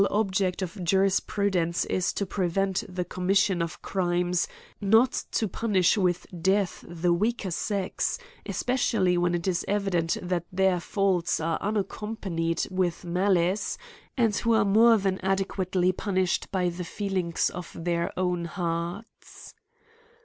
object of jurisprudence is to prevent the commission of crimes, not to pun ish with death the weaker sex, especially when it is evident that their faults are unaccompanied 364 ' A COMMENTARY ON with malice, and who are more than adequately punished by the feelings of their own hearts.